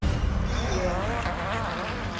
Piên